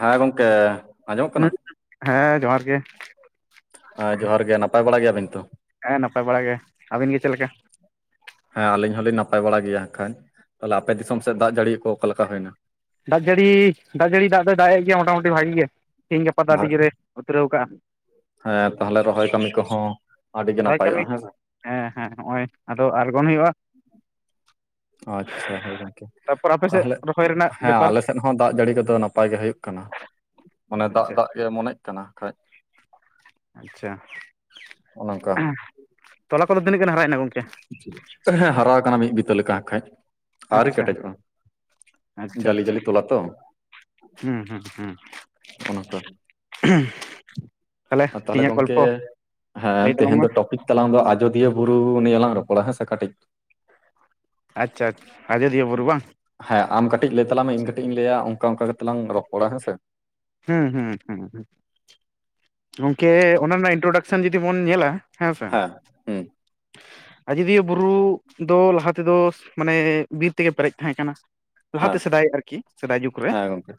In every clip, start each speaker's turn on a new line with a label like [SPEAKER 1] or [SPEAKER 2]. [SPEAKER 1] ᱦᱮᱸ ᱜᱚᱝᱠᱮ ᱟᱸᱡᱚᱢᱚᱜ ᱠᱟᱱᱟ᱾
[SPEAKER 2] ᱦᱩᱸ ᱦᱮᱸ ᱡᱚᱦᱟᱨ ᱜᱮ
[SPEAKER 1] ᱦᱮᱸ ᱡᱚᱦᱟᱨ ᱜᱮ ᱱᱟᱯᱟᱭ ᱵᱟᱲᱟ ᱜᱮᱭᱟᱵᱤᱱ ᱛᱚ᱾
[SPEAKER 2] ᱦᱮᱸ ᱱᱟᱯᱟᱭ ᱵᱟᱲᱟ ᱜᱮ, ᱟᱹᱵᱤᱱ ᱜᱮ ᱪᱮᱫ ᱞᱮᱠᱟ᱾
[SPEAKER 1] ᱦᱮᱸ ᱟᱹᱞᱤᱧ ᱦᱚᱸᱞᱤᱧ ᱱᱟᱯᱟᱭ ᱵᱟᱲᱟ ᱜᱤᱭᱟ ᱠᱷᱟᱱ᱾ ᱛᱟᱦᱚᱞᱮ ᱟᱯᱮ ᱫᱤᱥᱚᱢ ᱥᱮᱫ ᱫᱟᱜ, ᱡᱟᱹᱲᱤ ᱠᱚ ᱚᱠᱟᱞᱮᱠᱟ ᱦᱩᱭᱮᱱᱟ᱾
[SPEAKER 2] ᱫᱟᱜ ᱡᱟᱹᱲᱤ ᱫᱟᱜ ᱡᱟᱹᱲᱤ ᱫᱟᱜ ᱫᱚᱭ ᱫᱟᱜ ᱮᱫ ᱜᱮᱭᱟ ᱢᱚᱴᱟᱢᱩᱴᱤ ᱵᱷᱟᱜᱤ ᱜᱮ, ᱛᱤᱦᱤᱧ ᱜᱟᱯᱟ ᱫᱚ ᱟᱹᱰᱤ
[SPEAKER 1] ᱵᱷᱟᱜ
[SPEAKER 2] ᱡᱳᱨᱮ᱾ ᱩᱛᱨᱟᱹᱣᱠᱟᱼᱟ
[SPEAKER 1] ᱦᱮᱸ ᱛᱟᱦᱚᱞᱮ ᱨᱚᱦᱚᱭ ᱠᱟᱹᱢᱤ ᱠᱚᱦᱚᱸ ᱟᱹᱰᱤ ᱜᱮ
[SPEAKER 2] ᱨᱚᱦᱚᱭ ᱠᱟᱹᱢᱤ
[SPEAKER 1] ᱱᱟᱯᱟᱭᱚᱜᱼᱟ ᱦᱮᱸᱥᱮ
[SPEAKER 2] ᱦᱮᱸ ᱦᱮᱸ ᱱᱚᱸᱜᱼᱚᱭ ᱟᱫᱚ ᱟᱬᱜᱚᱱ ᱦᱩᱭᱩᱜᱼᱟ᱾
[SPEAKER 1] ᱟᱪᱷᱟ ᱦᱳᱭ ᱜᱚᱝᱠᱮ
[SPEAKER 2] ᱛᱟᱨᱯᱚᱨ ᱟᱯᱮ ᱥᱮᱫ
[SPEAKER 1] ᱛᱟᱦᱚᱞᱮ
[SPEAKER 2] ᱨᱚᱦᱚᱭ ᱨᱮᱱᱟᱜ
[SPEAKER 1] ᱦᱮᱸ
[SPEAKER 2] ᱵᱮᱯᱟᱨ
[SPEAKER 1] ᱟᱞᱮᱥᱮᱡ ᱦᱚᱸ ᱫᱟᱜ ᱡᱟᱹᱲᱤ ᱠᱚᱫᱚ ᱱᱟᱯᱟᱭ ᱜᱮ ᱦᱩᱭᱩᱜ ᱠᱟᱱᱟ ᱚᱱᱮ ᱫᱟᱜ-ᱫᱟᱜ ᱜᱮ ᱢᱚᱱᱮᱜ ᱠᱟᱱᱟ ᱠᱟᱹᱡ
[SPEAKER 2] ᱟᱪᱷᱟ!
[SPEAKER 1] ᱚᱱᱮ ᱚᱱᱠᱟ
[SPEAKER 2] ᱛᱚᱞᱟ ᱠᱚᱫᱚ ᱛᱤᱱᱟᱹᱜ ᱜᱟᱱ ᱦᱟᱨᱟᱭᱮᱱᱟ ᱜᱚᱝᱠᱮ?
[SPEAKER 1] ᱦᱮᱸ ᱦᱟᱨᱟ ᱣᱟᱠᱟᱱᱟ ᱢᱤᱫ ᱵᱤᱛᱟᱹ ᱞᱮᱠᱟ ᱠᱷᱟᱡ, ᱟᱹᱣᱨᱤ
[SPEAKER 2] ᱟᱪᱪᱷᱟ
[SPEAKER 1] ᱠᱮᱴᱮᱡᱚᱜᱼᱟ᱾
[SPEAKER 2] ᱟᱪᱪᱷᱟ ᱟᱪᱪᱷᱟ
[SPEAKER 1] ᱡᱟᱹᱞᱤ-ᱡᱟᱹᱞᱤ ᱛᱚᱞᱟ ᱛᱚ
[SPEAKER 2] ᱦᱩᱸ ᱦᱩᱸ ᱦᱩᱸ
[SPEAKER 1] ᱚᱱᱟᱠᱚ
[SPEAKER 2] [unintelligible]
[SPEAKER 1] ᱟᱨ ᱛᱟᱦᱚᱞᱮ
[SPEAKER 2] ᱛᱮᱦᱮᱧᱟᱜ
[SPEAKER 1] ᱜᱚᱝᱠᱮ
[SPEAKER 2] ᱜᱚᱞᱯᱚ
[SPEAKER 1] ᱦᱮᱸ
[SPEAKER 2] ᱞᱟᱹᱭ ᱛᱟᱞᱟᱝ
[SPEAKER 1] ᱛᱮᱦᱮᱧ
[SPEAKER 2] ᱢᱮ
[SPEAKER 1] ᱫᱚ ᱴᱳᱯᱤᱠ ᱛᱟᱞᱟᱝ ᱫᱚ ᱟᱡᱚᱫᱷᱭᱟᱹ ᱵᱩᱨᱩ ᱱᱤᱭᱟᱹ ᱞᱟᱝ ᱱᱤᱭᱟᱹ ᱞᱟᱝ ᱨᱚᱯᱚᱲᱟ ᱦᱮᱸᱥᱮ ᱠᱟᱹᱴᱤᱡ
[SPEAKER 2] ᱟᱪᱷᱟ ᱟᱡᱚᱫᱷᱤᱭᱟᱹ ᱵᱩᱨᱩ ᱵᱟᱝ?
[SPEAKER 1] ᱦᱮᱸ ᱟᱢ ᱠᱟᱹᱴᱤᱡ ᱞᱟᱹᱭ ᱛᱟᱞᱟᱝ ᱢᱮ ᱤᱧ ᱠᱟᱹᱴᱤᱡ ᱤᱧ ᱞᱟᱹᱭᱟ ᱳᱝᱠᱟ-ᱳᱝᱠᱟ ᱠᱟᱛᱮ ᱞᱟᱝ ᱨᱚᱯᱚᱲᱟ ᱦᱮᱸ ᱥᱮ
[SPEAKER 2] ᱦᱩᱸ ᱦᱩᱸ ᱦᱩᱸ ᱜᱚᱝᱠᱮ ᱚᱱᱟ ᱨᱮᱱᱟᱜ ᱤᱱᱴᱨᱚᱰᱟᱠᱥᱟᱱ ᱡᱩᱫᱤ ᱵᱚᱱ ᱧᱮᱞᱟ ᱦᱮᱸ ᱥᱮ
[SPEAKER 1] ᱦᱩᱸ
[SPEAKER 2] ᱟᱡᱚᱫᱷᱤᱭᱟᱹ ᱵᱩᱨᱩ ᱫᱚ ᱞᱟᱦᱟ ᱛᱮᱫᱚ ᱢᱟᱱᱮ ᱵᱤᱨ ᱛᱮᱜᱮ ᱯᱮᱨᱮᱡ ᱛᱟᱦᱮᱸ ᱠᱟᱱᱟ᱾
[SPEAKER 1] ᱦᱮᱸ
[SPEAKER 2] ᱞᱟᱦᱟᱛᱮ ᱥᱮᱫᱟᱭ ᱟᱨᱠᱤ ᱥᱮᱫᱟᱭ ᱡᱩᱜᱽ ᱨᱮ
[SPEAKER 1] ᱦᱮᱸ ᱜᱚᱝᱠᱮ